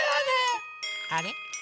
あれ？